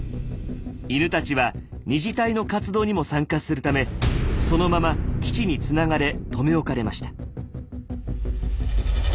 犬たちは２次隊の活動にも参加するためそのまま基地につながれ留め置かれました。